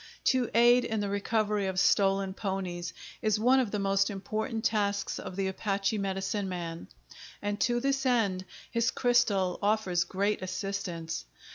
To aid in the recovery of stolen ponies is one of the most important tasks of the Apache medicine man, and to this end his crystal offers great assistance.